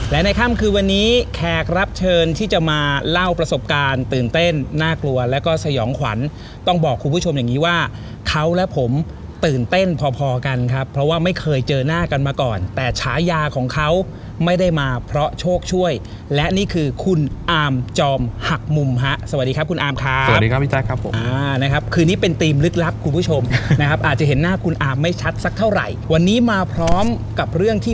และในค่ำคือวันนี้แขกรับเชิญที่จะมาเล่าประสบการณ์ตื่นเต้นน่ากลัวแล้วก็สยองขวัญต้องบอกคุณผู้ชมอย่างงี้ว่าเขาและผมตื่นเต้นพอกันครับเพราะว่าไม่เคยเจอหน้ากันมาก่อนแต่ฉายาของเขาไม่ได้มาเพราะโชคช่วยและนี่คือคุณอาร์มจอมหักมุมฮะสวัสดีครับคุณอาร์มครับสวัสดีครับพี่จ๊ะครับผมอ่านะครับคื